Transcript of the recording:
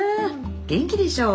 元気でしょ？